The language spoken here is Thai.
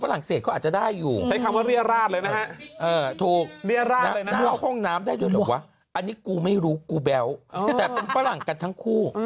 อันนี้กูไม่รู้กูแบวแต่เป็นฝรั่งกันทั้งคู่